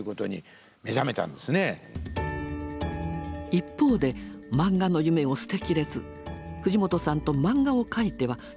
一方で漫画の夢を捨てきれず藤本さんと漫画を描いては出版社に投稿。